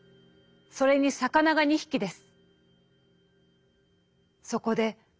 それに魚が二匹です』」。